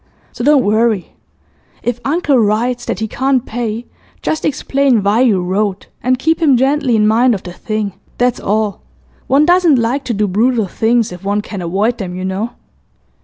So don't worry. If uncle writes that he can't pay, just explain why you wrote, and keep him gently in mind of the thing, that's all. One doesn't like to do brutal things if one can avoid them, you know.